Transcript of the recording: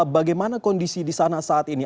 bagaimana kondisi di sana saat ini